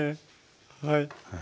はい。